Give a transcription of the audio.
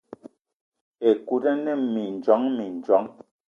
Ekut ine mindjong mindjong.